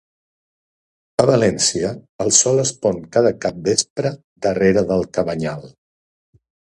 A València, el sol es pon cada capvespre darrera del Cabanyal